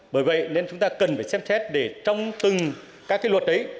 bởi vậy nên chúng ta cần phải xem xét để trong từng các cái luật đấy